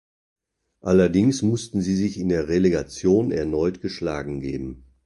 Allerdings mussten sie sich in der Relegation erneut geschlagen geben.